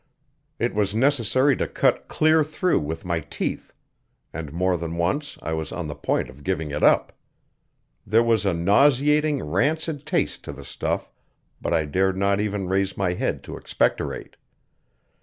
It was necessary to cut clear through with my teeth, and more than once I was on the point of giving it up. There was a nauseating, rancid taste to the stuff, but I dared not even raise my head to expectorate.